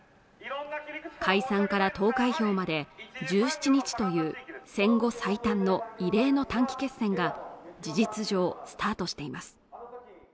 解散から投開票まで１７日という戦後最短の異例の短期決戦が事実上スタートしています